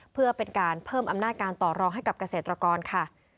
เพื่อเป็นการเพิ่มอำนาจการต่อรองให้กับเกษตรกรค่ะ